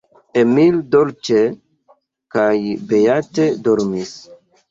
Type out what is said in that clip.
Emil dolĉe kaj beate dormis.